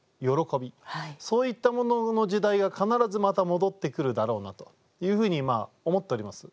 そういったものの時代が必ずまた戻ってくるだろうなというふうに思っております。